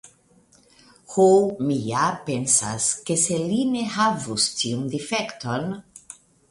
Ho, mi ja pensas, ke se li ne havus tiun difekton.